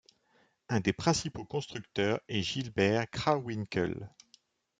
Un des principaux constructeurs est Gilbert Krawinckel.